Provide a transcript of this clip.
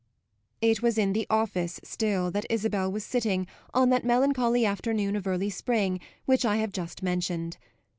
It was in the "office" still that Isabel was sitting on that melancholy afternoon of early spring which I have just mentioned.